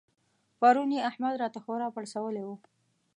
پرون يې احمد راته خورا پړسولی وو.